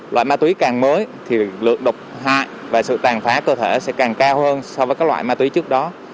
loại ma túy càng mới thì lượng độc hại và sự tàn phá cơ thể sẽ càng cao hơn so với các loại ma túy trước đó